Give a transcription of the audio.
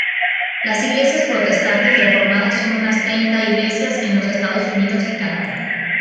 Las Iglesias Protestantes Reformadas son unas treinta iglesias en los Estados Unidos y Canadá.